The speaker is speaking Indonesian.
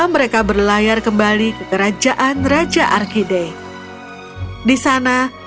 udah aku puas adonanku victorian pemakaman dan tuh accompany kita banyak dapetnya